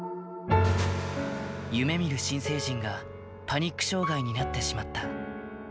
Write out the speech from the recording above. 夢みる新成人が、パニック障害になってしまった。